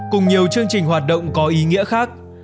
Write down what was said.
cùng nhiều chương trình hoạt động có ý nghĩa khác